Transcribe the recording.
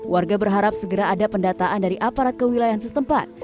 warga berharap segera ada pendataan dari aparat kewilayan setempat